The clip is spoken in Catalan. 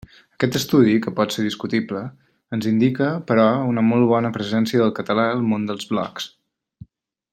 Aquest estudi, que pot ser discutible, ens indica però una molt bona presència del català al món dels blocs.